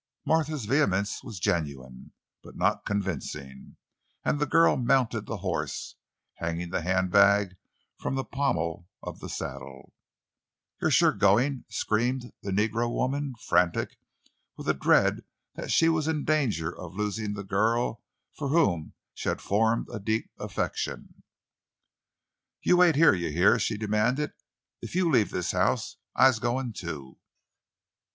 Martha's vehemence was genuine, but not convincing; and the girl mounted the horse, hanging the handbag from the pommel of the saddle. "You's sure goin'!" screamed the negro woman, frantic with a dread that she was in danger of losing the girl for whom she had formed a deep affection. "You wait—you hear!" she demanded; "if you leave this house I's a goin', too!"